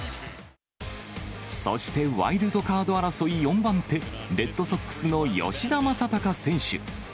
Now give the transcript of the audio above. そしてワイルドカード争い、４番手、レッドソックスの吉田正尚選手。